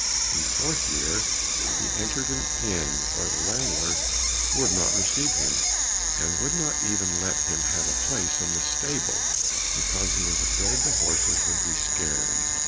In the fourth year, he entered an inn where the landlord would not receive him, and would not even let him have a place in the stable, because he was afraid the horses would be scared.